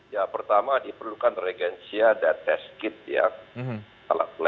ya pertama diperlukan regensia dan test kit ya